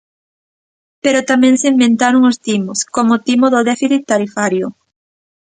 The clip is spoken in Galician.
Pero tamén se inventaron os timos, como o timo do déficit tarifario.